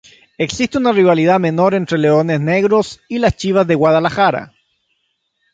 Existe una rivalidad menor entre Leones Negros y las Chivas de Guadalajara.